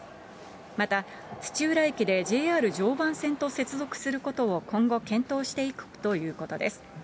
また土浦駅でＪＲ常磐線と接続することを今後検討していくということです。